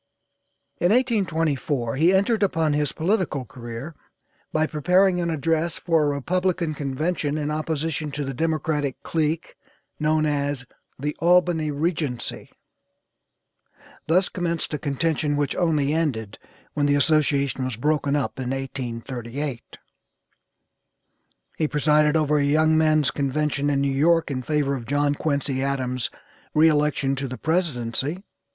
In 1824 he entered upon his political career by preparing an address for a Republican convention in opposition to the Democratic clique known as the 'Albany Regency,' thus commenced a contention which only ended when the association was broken up in 1838. He presided over a young men's convention in New York in favor of John Quincy Adams' re election to the presidency.